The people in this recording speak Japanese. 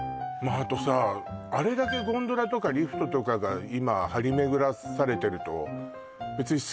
あとさあれだけゴンドラとかリフトとかが今張り巡らされてると別にそうです